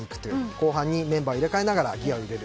後半にメンバーを代えながらギアを入れる。